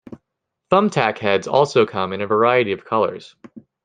Thumb tack heads also come in a variety of colors.